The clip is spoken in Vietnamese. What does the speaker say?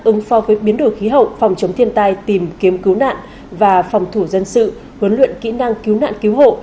ứng phó với biến đổi khí hậu phòng chống thiên tai tìm kiếm cứu nạn và phòng thủ dân sự huấn luyện kỹ năng cứu nạn cứu hộ